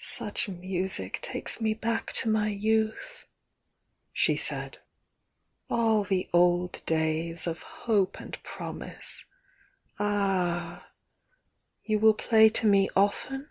"Such music takes me back to my youth," she said. "AH the old days of hope and promise! ... Ah! ... you will play to me often?"